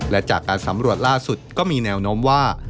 และจากการสำรวจล่าสุดก็มีแนวโน้มว่า